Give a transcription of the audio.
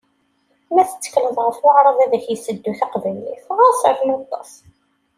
Ma tettekleḍ ɣef Waɛrab ad k-yesseddu taqbaylit, ɣas rnu ṭṭes!